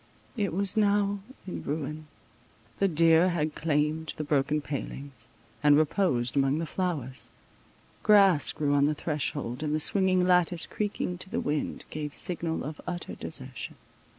It was now in ruin: the deer had climbed the broken palings, and reposed among the flowers; grass grew on the threshold, and the swinging lattice creaking to the wind, gave signal of utter desertion.